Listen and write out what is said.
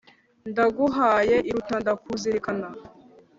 Ndaguhaye iruta ndakuzirikana.